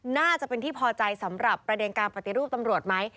น่าจะเป็นที่พอใจสำหรับประเด็นการปฏิรูปตำรวจไหม